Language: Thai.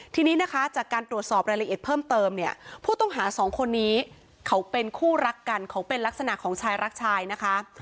ทีนี้นะคะจากการตรวจสอบรายละเอียดเพิ่มเติมเนี่ยผู้ต้องหาสองคนนี้เขาเป็นคู่รักกันเขาเป็นลักษณะของชายรักชายนะคะ